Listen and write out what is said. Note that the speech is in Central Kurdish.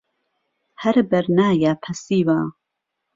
ههر بهرنایه پهسیوه